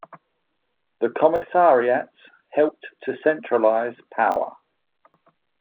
The commissariats helped to centralize power.